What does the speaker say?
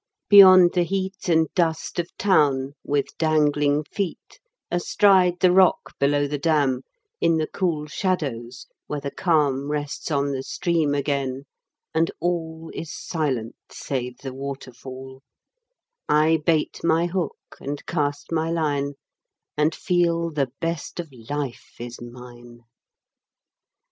Beyond the heat And dust of town, with dangling feet Astride the rock below the dam, In the cool shadows where the calm Rests on the stream again, and all Is silent save the waterfall, I bait my hook and cast my line, And feel the best of life is mine.